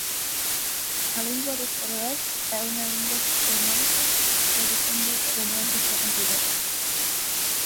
A lingua de feroés é unha lingua xermánica que descende do nórdico antigo.